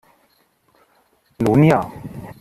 Nun ja.